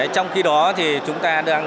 trong khi đó thì chúng ta đang